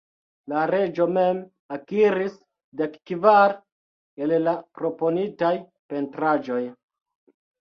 La reĝo mem akiris dekkvar el la proponitaj pentraĵoj.